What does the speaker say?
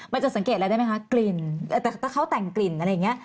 มันจะสังเกตอะไรได้ไหมคะกลิ่นแต่ถ้าเขาแต่งกลิ่นอะไรอย่างนี้